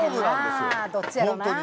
どっちやろなあ。